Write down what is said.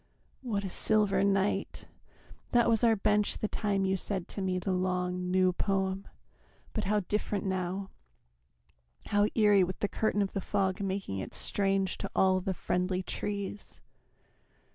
... What a silver night! That was our bench the time you said to me The long new poem but how different now, How eerie with the curtain of the fog Making it strange to all the friendly trees!